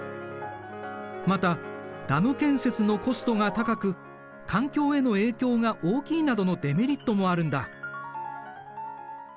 またダム建設のコストが高く環境への影響が大きいなどのデメリットもあるんだ。